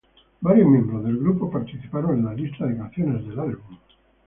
Varios miembros del grupo participaron en la lista de canciones del álbum.